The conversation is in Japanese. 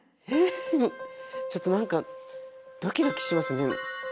えっちょっと何かドキドキしますね。